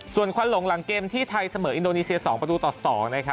ส่วนควันหลงหลังเกมที่ไทยเสมออินโดนีเซีย๒ประตูต่อ๒นะครับ